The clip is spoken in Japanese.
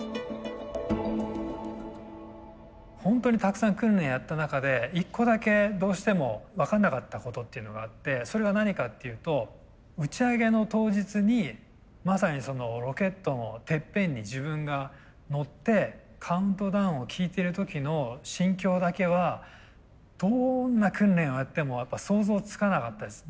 ホントにたくさん訓練やった中で一個だけどうしても分かんなかったことっていうのがあってそれは何かっていうと打ち上げの当日にまさにロケットのてっぺんに自分が乗ってカウントダウンを聞いてる時の心境だけはどんな訓練をやってもやっぱ想像つかなかったです。